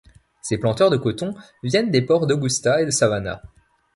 Ces planteurs de coton viennent des ports d'Augusta et Savannah.